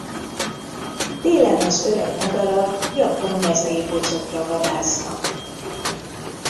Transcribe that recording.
Télen az öreg madarak gyakran mezei pocokra vadásznak.